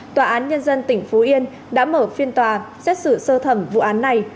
tòa án nhân dân tỉnh phú yên đã mở phiên tòa xét xử sơ thẩm vụ án này